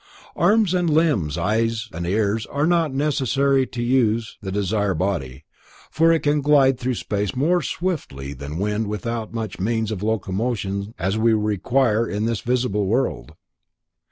Arms and limbs, ears and eyes are not necessary to use the desire body, for it can glide through space more swiftly than wind without such means of locomotion as we require in this visible world.